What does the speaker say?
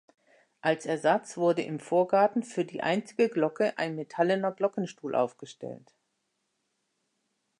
Als Ersatz wurde im Vorgarten für die einzige Glocke ein metallener Glockenstuhl aufgestellt.